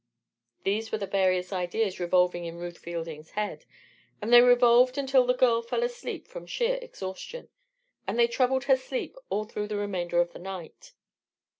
These were the various ideas revolving in Ruth Fielding's head. And they revolved until the girl fell asleep from sheer exhaustion, and they troubled her sleep all through the remainder of the night.